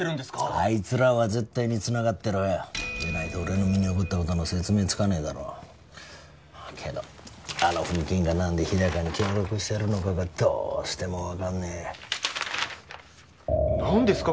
あいつらは絶対につながってるよでないと俺の身に起こったことの説明つかねえだろけどあの風紀委員が何で日高に協力してるのかがどうしても分かんねえ何ですか？